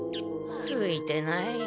ついてない。